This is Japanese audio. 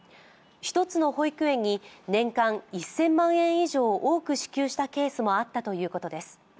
１つの保育園に年間１０００万円以上多く支給したケースもあったということです。